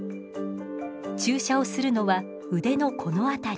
注射をするのは腕のこの辺り。